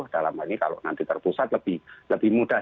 dalam hal ini kalau nanti terpusat lebih mudah